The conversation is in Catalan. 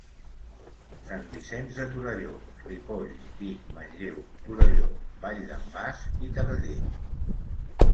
Sant Vicenç de Torelló, Ripoll, Vic, Manlleu, Torelló, Vall d'en Bas i Taradell.